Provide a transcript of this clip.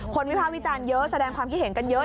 วิภาควิจารณ์เยอะแสดงความคิดเห็นกันเยอะ